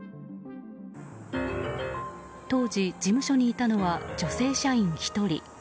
当時、事務所にいたのは女性社員１人。